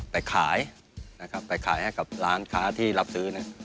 ไปขายนะครับไปขายให้กับร้านค้าที่รับซื้อเนี่ย